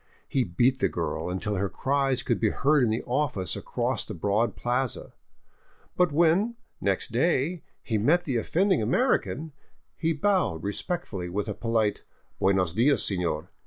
He beat the girl until her cries could be heard in the office across the broad plaza. But when, next day, he met the offending American, he bowed respectfully with a polite, " Buenos dias, senor.